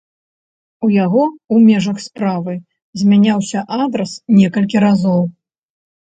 У яго ў межах справы змяняўся адрас некалькі разоў.